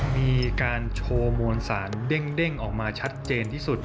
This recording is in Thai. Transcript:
มีการโชว์มวลสารเด้งออกมาชัดเจนที่สุด